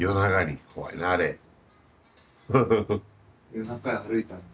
夜中歩いたんだ。